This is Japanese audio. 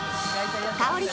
香り